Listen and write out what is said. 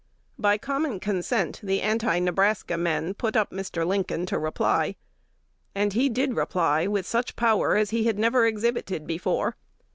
By common consent the Anti Nebraska men put up Mr. Lincoln to reply; and he did reply with such power as he had never exhibited before.